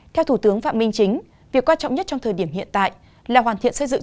theo thủ tướng phạm minh chính việc quan trọng nhất trong thời điểm hiện tại là hoàn thiện xây dựng